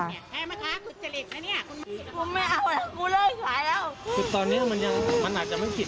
แม่ค้าคุณจะหลีกนะนี่